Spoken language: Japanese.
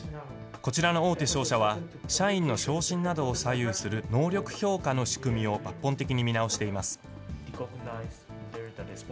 こちらの大手商社は、社員の昇進などを左右する能力評価の仕組みを抜本的に見直しています。